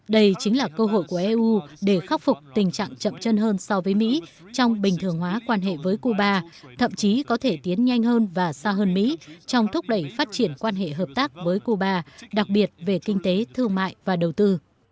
đây chính là cơ hội của eu để khắc phục tình trạng chậm chân hơn so với mỹ trong bình thường hóa quan hệ với cuba thậm chí có thể tiến nhanh hơn và xa hơn mỹ trong thúc đẩy phát triển quan hệ hợp tác với cuba đặc biệt về kinh tế thương mại và đầu tư